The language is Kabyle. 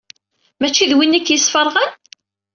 Mačči d winna i k-yesfeṛɣen?